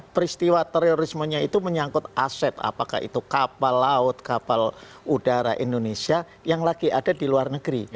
peristiwa terorismenya itu menyangkut aset apakah itu kapal laut kapal udara indonesia yang lagi ada di luar negeri